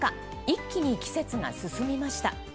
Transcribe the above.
一気に季節が進みました。